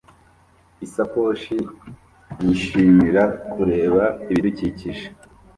Isakoshi yishimira kureba ibidukikije